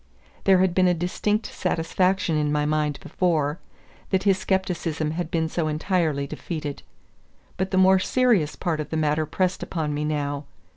There had been a distinct satisfaction in my mind before, that his scepticism had been so entirely defeated. But the more serious part of the matter pressed upon me now.